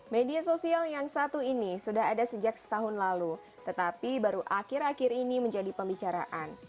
media sosial yang satu ini sudah ada sejak setahun lalu tetapi baru akhir akhir ini menjadi pembicaraan